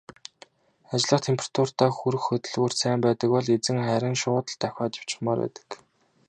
Ажиллах температуртаа хүрэх хөдөлгүүрт сайн байдаг бол эзэн харин шууд л давхиад явчихмаар байдаг.